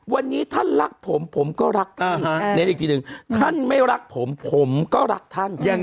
วันนี้ท่านรักผมผมก็รักเน้นอีกทีหนึ่งท่านไม่รักผมผมก็รักท่าน